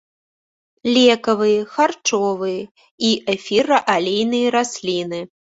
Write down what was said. Лекавыя, харчовыя і эфіраалейныя расліны.